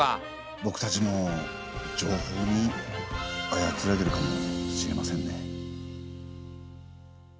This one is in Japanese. ぼくたちも情報にあやつられているかもしれませんね。